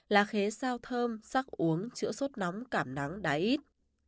lá khế sao thơm sắc uống chữa sốt nóng cảm nắng đá ít